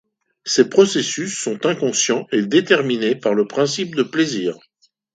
Ces processus sont inconscients et déterminés par le principe de plaisir.